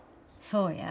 そうや。